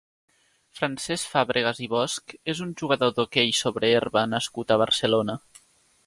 Francesc Fàbregas i Bosch és un jugador d'hoquei sobre herba nascut a Barcelona.